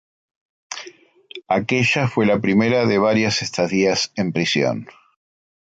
Aquella fue la primera de varias estadías en prisión.